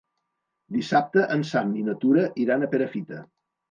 Dissabte en Sam i na Tura iran a Perafita.